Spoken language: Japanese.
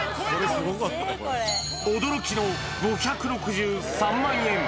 驚きの５６３万円。